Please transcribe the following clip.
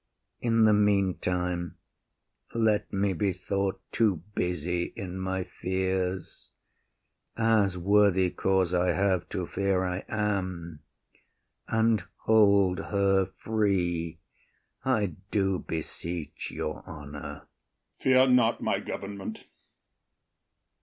In the meantime, Let me be thought too busy in my fears (As worthy cause I have to fear I am) And hold her free, I do beseech your honour. OTHELLO. Fear not my government.